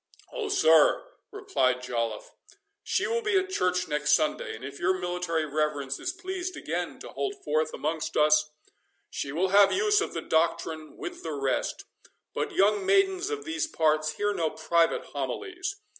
"Oh, sir," replied Joliffe, "she will be at church next Sunday, and if your military reverence is pleased again to hold forth amongst us, she will have use of the doctrine with the rest. But young maidens of these parts hear no private homilies.